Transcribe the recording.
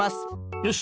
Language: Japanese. よし。